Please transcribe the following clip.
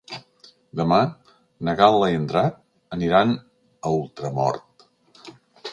Demà na Gal·la i en Drac aniran a Ultramort.